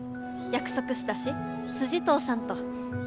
約束したし筋通さんと。